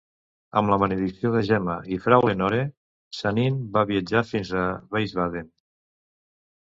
Amb la benedicció de Gemma i Frau Lenore, Sanin va viatjar fins a Wiesbaden.